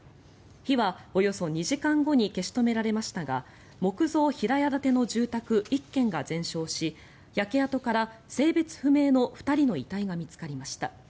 火はおよそ２時間後に消し止められましたが木造平屋建ての住宅１軒が全焼し焼け跡から性別不明の２人の遺体が見つかりました。